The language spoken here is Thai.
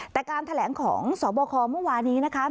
แต่การแถลงของสบคเมื่อวานี้นะคะ